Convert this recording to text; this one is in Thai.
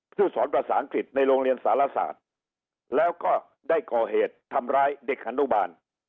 เพื่อสอนภาษาอังกฤษในโรงเรียนสารศาสตร์แล้วก็ได้ก่อเหตุทำร้ายเด็กอนุบาล